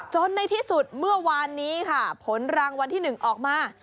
ในที่สุดเมื่อวานนี้ค่ะผลรางวัลที่๑ออกมา